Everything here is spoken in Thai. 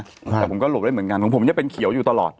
แต่ผมก็หลบได้เหมือนกันของผมจะเป็นเขียวอยู่ตลอด